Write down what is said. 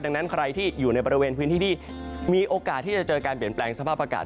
ดังนั้นใครที่อยู่ในบริเวณพื้นที่ที่มีโอกาสที่จะเจอการเปลี่ยนแปลงสภาพอากาศ